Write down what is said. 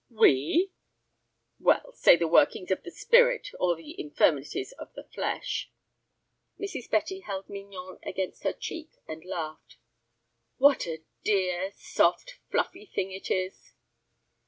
"We?" "Well, say the workings of the 'spirit,' or the infirmities of the flesh." Mrs. Betty held Mignon against her cheek and laughed. "What a dear, soft, fluffy thing it is!"